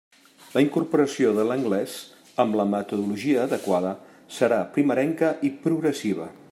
La incorporació de l'anglès, amb la metodologia adequada, serà primerenca i progressiva.